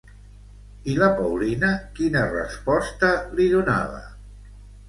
I la Paulina, quina resposta li donava?